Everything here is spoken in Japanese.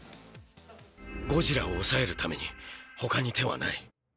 ゴジラを抑えるために他に手はない。